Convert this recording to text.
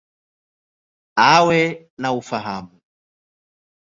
Awe na ufahamu.